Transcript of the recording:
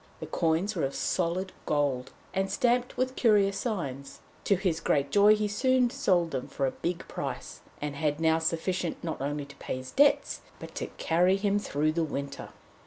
The coins were of solid gold, and stamped with curious signs; to his great joy he very soon sold them for a big price, and had now sufficient not only to pay his debts, but to carry him through the winter.